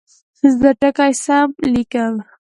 زه ټکي سم لیکم.